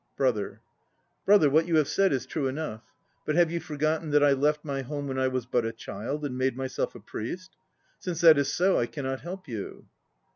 BROTHER. Brother, what you have said is true enough. But have you forgotten that I left my home when I was but a child and made myself a priest? Since that is so, I cannot help you.